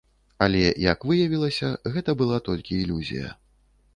Але як выявілася, гэта была толькі ілюзія.